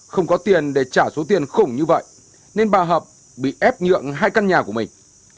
không có tiền để trả số tiền khủng như vậy nên bà hợp bị ép nhượng hai căn nhà của mình